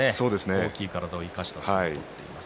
大きな体を生かした相撲を取っています。